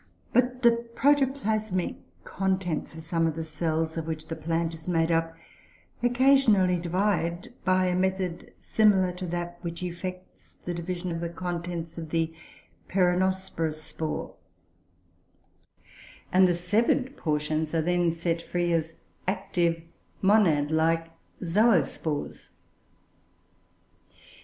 But the protoplasmic contents of some of the cells of which the plant is made up occasionally divide, by a method similar to that which effects the division of the contents of the Peronospora spore; and the severed portions are then set free as active monad like zoospores.